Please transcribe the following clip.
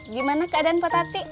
gimana keadaan potati